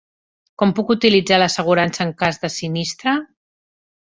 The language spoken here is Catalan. Com puc utilitzar l'assegurança en cas de sinistre?